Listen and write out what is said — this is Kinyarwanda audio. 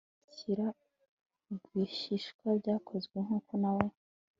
Mu gushyikirana rwihishwa byakozwe nkuko nawe